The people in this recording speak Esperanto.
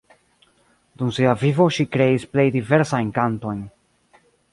Dum sia vivo ŝi kreis plej diversajn kantojn.